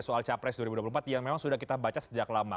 soal capres dua ribu dua puluh empat yang memang sudah kita baca sejak lama